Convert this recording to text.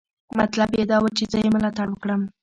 مطلب یې دا و چې زه یې ملاتړ وکړم.